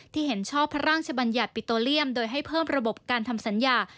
เห็นชอบพระราชบัญญัติปิโตเลียมโดยให้เพิ่มระบบการทำสัญญา